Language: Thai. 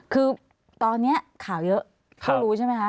คือตอนนี้ข่าวเยอะก็รู้ใช่ไหมคะ